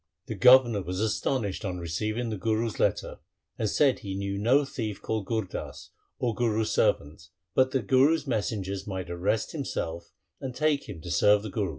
The governor was astonished on receiving the Guru's letter, and said that he knew no thief called Gur Das, or Guru's servant, but the Guru's messengers might arrest himself and take him to serve the Guru.